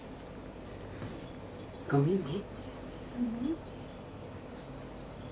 ごめんね。